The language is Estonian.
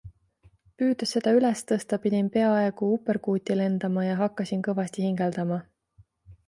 Püüdes seda üles tõsta pidin peaaegu uperkuuti lendama ja hakkasin kõvasti hingeldama.